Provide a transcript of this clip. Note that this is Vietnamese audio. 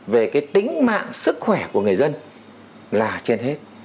về cái tính mạng sức khỏe của người dân là trên hết